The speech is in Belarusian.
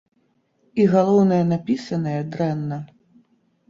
І, галоўнае, напісаная дрэнна.